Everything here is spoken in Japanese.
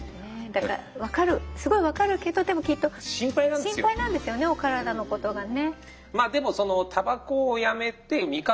だからわかるすごいわかるけどでもきっと心配なんですよねお体のことがね。